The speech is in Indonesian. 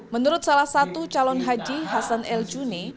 menurut salah satu calon haji hasan el juni